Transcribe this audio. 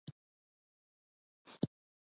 د څانگې خواړه خوندور و.